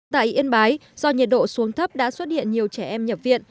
tại yên bái do nhiệt độ xuống thấp đã xuất hiện nhiều trẻ em nhập viện